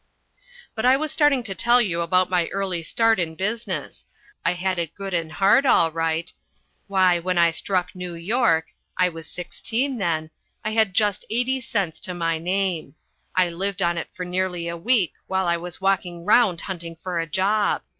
But I was starting to tell you about my early start in business. I had it good and hard all right. Why when I struck New York I was sixteen then I had just eighty cents to my name. I lived on it for nearly a week while I was walking round hunting for a job.